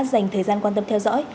dành thời gian quan tâm theo dõi